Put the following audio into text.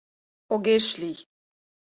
Огеш лий!